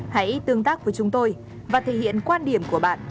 hãy tương tác với chúng tôi và thể hiện quan điểm của bạn